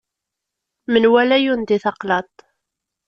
Menwala yundi taqlaḍt.